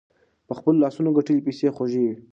په خپلو لاسونو ګتلي پیسې خوږې وي.